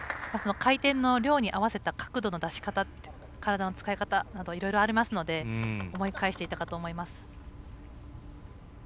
回転の量に合わせた角度の出し方体の使い方などいろいろありますので思い返していたかと思います。